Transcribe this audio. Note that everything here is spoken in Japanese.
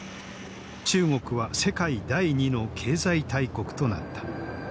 中国は世界第２の経済大国となった。